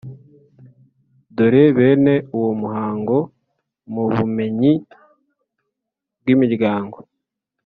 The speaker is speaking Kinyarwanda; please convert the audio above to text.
dore bene uwo muhango mu bumenyi bw’imiryango,